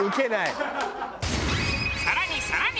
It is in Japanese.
さらにさらに！